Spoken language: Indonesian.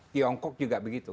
tiongkok juga begitu